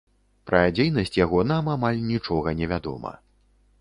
Пра дзейнасць яго нам амаль нічога не вядома.